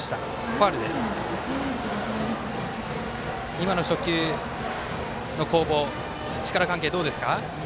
今の初球の攻防力関係どうですか。